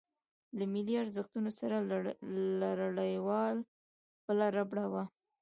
له ملي ارزښتونو سره لريوالۍ بله ربړه وه.